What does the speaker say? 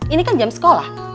ini kan jam sekolah